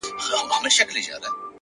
خپل وخت له ارزښت سره برابر کړئ